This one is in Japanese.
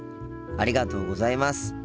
ありがとうございます。